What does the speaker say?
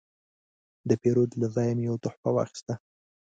د پیرود له ځایه مې یو تحفه واخیسته.